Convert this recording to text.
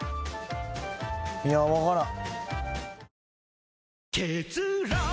いや分からん。